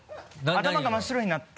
頭が真っ白になって。